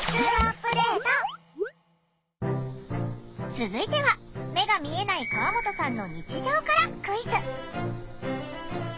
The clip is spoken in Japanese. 続いては目が見えない川本さんの日常からクイズ。